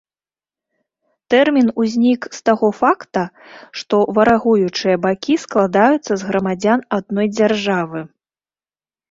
Тэрмін ўзнік з таго факта, што варагуючыя бакі складаюцца з грамадзян адной дзяржавы.